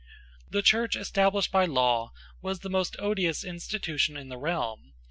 The Church established by law was the most odious institution in the realm.